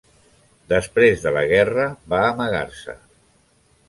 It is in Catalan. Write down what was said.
Després de la guerra va amagar-se.